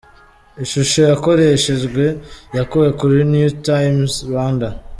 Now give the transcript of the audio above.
Ishusho yakoreshejwe yakuwe kuri New Times Rwanda.